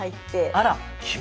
あら。